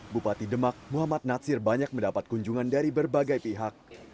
bupati demak muhammad natsir banyak mendapat kunjungan dari berbagai pihak